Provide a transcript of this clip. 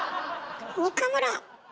岡村！